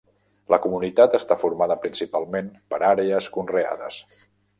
La comunitat està formada principalment per àrees conreades.